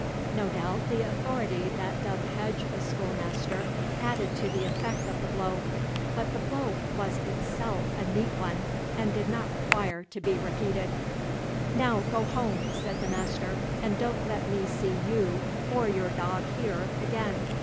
No doubt, the authority that doth hedge a schoolmaster added to the effect of the blow; but the blow was itself a neat one, and did not require to be repeated. "Now go home," said the master, "and don't let me see you or your dog here again."